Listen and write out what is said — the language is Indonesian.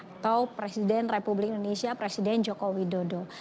atau presiden republik indonesia presiden joko widodo